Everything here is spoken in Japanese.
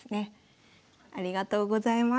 ありがとうございます。